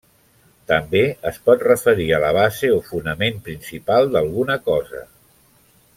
També es pot referir a la base o fonament principal d'alguna cosa.